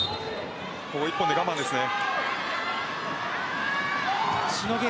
ここ１本で我慢ですね。